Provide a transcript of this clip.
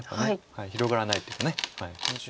広がらないっていうか。